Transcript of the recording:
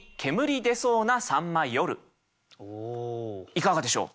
いかがでしょう？